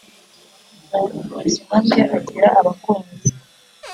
Mu buzima bwe agira abakunzi